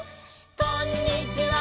「こんにちは」